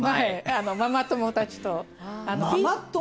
ママ友たちと。